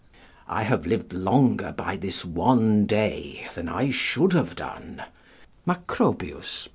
["I have lived longer by this one day than I should have done." Macrobius, ii.